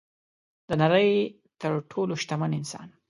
د نړۍ تر ټولو شتمن انسان